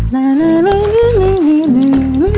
เดี๋ยวเดี๋ยวเดี๋ยวเดี๋ยวไปไหน